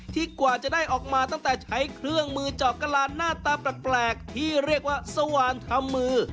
กว่าจะได้ออกมาตั้งแต่ใช้เครื่องมือเจาะกระลานหน้าตาแปลกที่เรียกว่าสว่านทำมือ